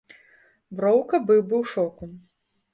Броўка быў бы ў шоку.